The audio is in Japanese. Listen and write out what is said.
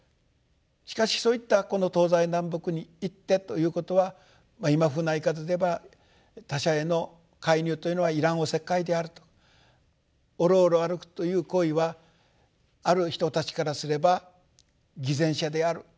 しかしそういったこの東西南北に「行ッテ」ということは今風な言い方でいえば他者への介入というのは要らんおせっかいであると。おろおろ歩くという行為はある人たちからすれば偽善者である。